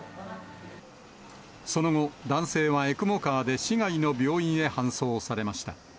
その後、男性はＥＣＭＯカーで市外の病院へ搬送されました。